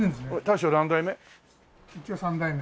一応三代目。